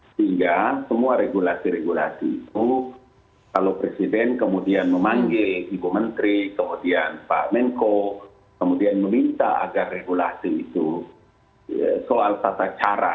sehingga semua regulasi regulasi itu kalau presiden kemudian memanggil ibu menteri kemudian pak menko kemudian meminta agar regulasi itu soal tata cara